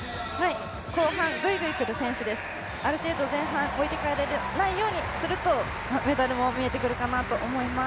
後半、グイグイくる選手ですある程度前半置いていかれないようにするとメダルも見えてくるかなと思います。